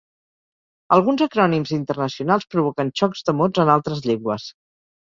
Alguns acrònims internacionals provoquen xocs de mots en altres llengües.